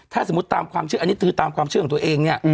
ถ้าสมมุติตามความเชื่ออันนี้คือตามความเชื่อของตัวเองเนี่ย